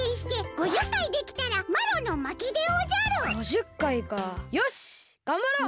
５０回かよしがんばろう！